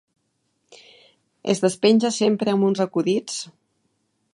Es despenja sempre amb uns acudits!